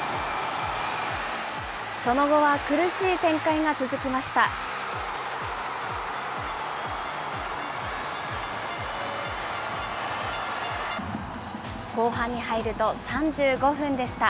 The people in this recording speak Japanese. その後は苦しい展開が続きました。